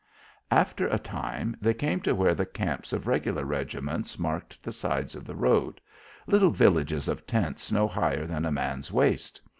After a time they came to where the camps of regular regiments marked the sides of the road little villages of tents no higher than a man's waist.